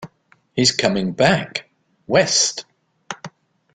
He's coming back, West!